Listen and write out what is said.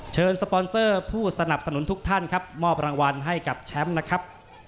สปอนเซอร์ผู้สนับสนุนทุกท่านครับมอบรางวัลให้กับแชมป์นะครับ